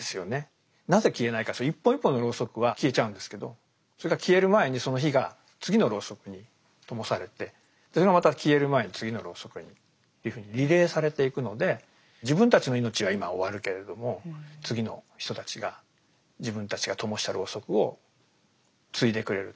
なぜ消えないかというと一本一本のロウソクは消えちゃうんですけどそれが消える前にその火が次のロウソクに灯されてそれがまた消える前に次のロウソクにというふうにリレーされていくので自分たちの命は今終わるけれども次の人たちが自分たちが灯したロウソクを継いでくれる。